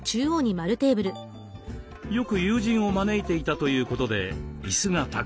よく友人を招いていたということでイスがたくさん。